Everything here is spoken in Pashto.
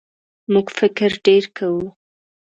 موږ فکر ډېر کوو.